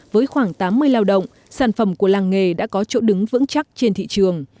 với khoảng tám mươi lao động sản phẩm của làng nghề đã có chỗ đứng vững chắc trên thị trường